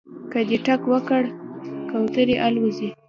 که دې ټک وکړ کوترې الوځي